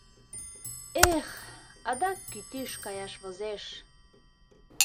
Эх, адак кӱтӱш каяш возеш!